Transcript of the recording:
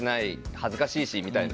恥ずかしいしみたいな。